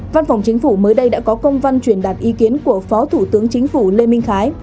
văn phòng chính phủ mới đây đã có công văn truyền đạt ý kiến của phó thủ tướng chính phủ lê minh khái